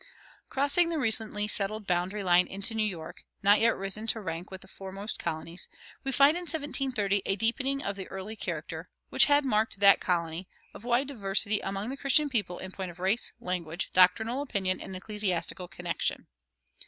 [134:1] Crossing the recently settled boundary line into New York, not yet risen to rank with the foremost colonies, we find in 1730 a deepening of the early character, which had marked that colony, of wide diversity among the Christian people in point of race, language, doctrinal opinion, and ecclesiastical connection.